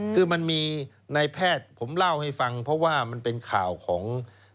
คือมันมีในแพทย์ผมเล่าให้ฟังเพราะว่ามันเป็นข่าวของ